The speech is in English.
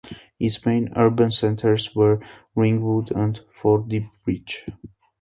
Its main urban centres were Ringwood and Fordingbridge.